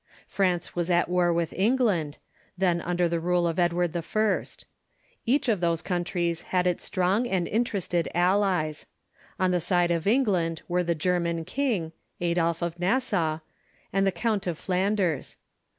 France was at war with England, then under the rule of Edward I. Each of those countries had its strong and interested allies. On the side of England were the German king, Adolf of Nassau, and the Count of Flanders.